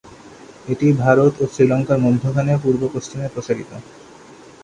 এটি ভারত ও শ্রীলঙ্কার মধ্যখানে পূর্ব-পশ্চিমে প্রসারিত।